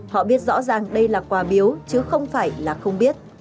họ biết rõ ràng đây là quà biếu chứ không phải là không biết